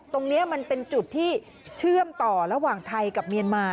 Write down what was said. ตรงนี้มันเป็นจุดที่เชื่อมต่อระหว่างไทยกับเมียนมา